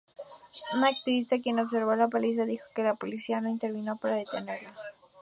Un activista, quien observó la paliza, dijo que la policía no intervino para detenerla.